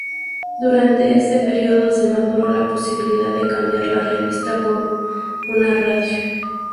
Durante ese período se maduró la posibilidad de cambiar la revista por una radio.